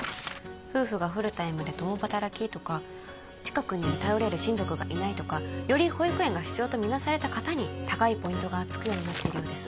夫婦がフルタイムで共働きとか近くに頼れる親族がいないとかより保育園が必要と見なされた方に高いポイントがつくようになっているようです